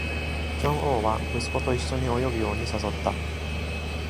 ジョン王は息子と一緒に泳ぐように誘った。